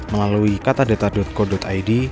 melalui katadata co id